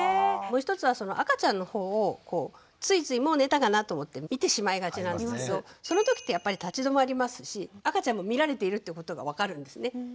もう一つはその赤ちゃんの方をついついもう寝たかなと思って見てしまいがちなんですけどその時ってやっぱり立ち止まりますし赤ちゃんも見られているってことが分かるんですね。